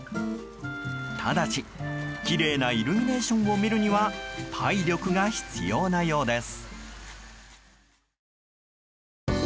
ただし、きれいなイルミネーションを見るには体力が必要なようです。